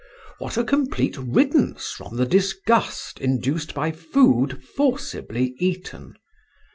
What a complete riddance from the disgust induced by food forcibly eaten!